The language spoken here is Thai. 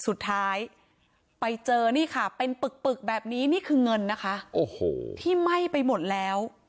สุดท้ายไปเจอนี่ค่ะเป็นปึกปึกแบบนี้นี่คือเงินนะคะโอ้โหที่ไหม้ไปหมดแล้ว